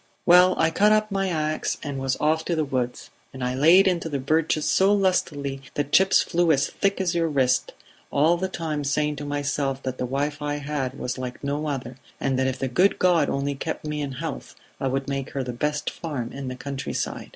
"Well, I caught up my ax and was off to the woods; and I laid into the birches so lustily that chips flew as thick as your wrist, all the time saying to myself that the wife I had was like no other, and that if the good God only kept me in health I would make her the best farm in the countryside."